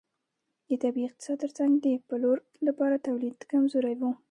د طبیعي اقتصاد ترڅنګ د پلور لپاره تولید کمزوری و.